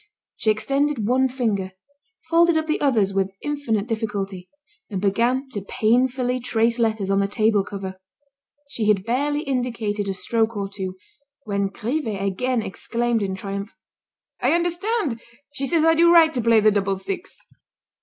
She extended one finger, folded up the others with infinite difficulty, and began to painfully trace letters on the table cover. She had barely indicated a stroke or two, when Grivet again exclaimed in triumph: "I understand; she says I do right to play the double six."